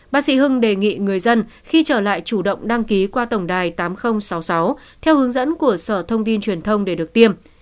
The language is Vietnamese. bác sĩ hưng đề nghị người dân khi trở lại chủ động đăng ký qua tổng đài tám nghìn sáu mươi sáu theo hướng dẫn của sở thông tin truyền thông để được tiêm